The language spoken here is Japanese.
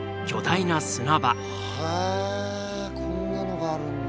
へえこんなのがあるんだ。